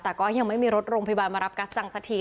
แต่ก็ยังไม่มีรถโรงพยาบาลมารับกัสจังสักที